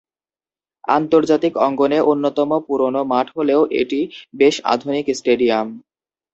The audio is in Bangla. আন্তর্জাতিক অঙ্গনের অন্যতম পুরনো মাঠ হলেও এটি বেশ আধুনিক স্টেডিয়াম।